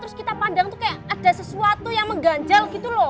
terus kita pandang tuh kayak ada sesuatu yang mengganjal gitu loh